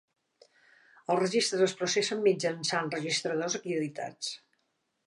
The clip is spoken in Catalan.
Els registres es processen mitjançant registradors acreditats.